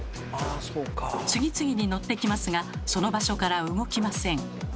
次々に乗ってきますがその場所から動きません。